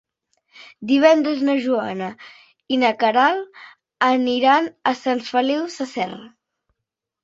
Divendres na Joana i na Queralt aniran a Sant Feliu Sasserra.